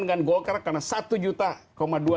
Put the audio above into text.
dengan golkar karena satu juta